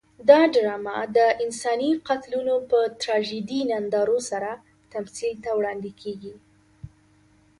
دا ډرامه د انساني قتلونو په تراژیدي نندارو سره تمثیل ته وړاندې کېږي.